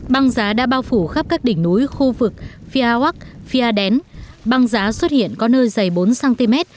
băng giá đã bao phủ khắp các đỉnh núi khu vực phiêu quắc phiêu đén băng giá xuất hiện có nơi dày bốn cm